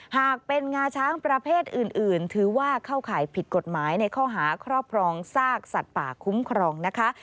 หากเป็นงาช้างประเภทอื่นถือว่าเข้าข่ายผิดกฎหมายในข้อหาครอบครองซากสัตว์ป่าคุ้มครองนะคะ